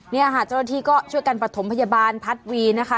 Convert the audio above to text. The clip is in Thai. เนี่ยค่ะเจ้าหน้าที่ก็ช่วยกันประถมพยาบาลพัดวีนะคะ